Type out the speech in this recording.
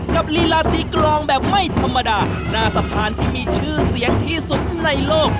ลีลาตีกลองแบบไม่ธรรมดาหน้าสะพานที่มีชื่อเสียงที่สุดในโลก